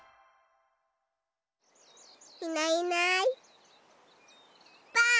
いないいないばあっ！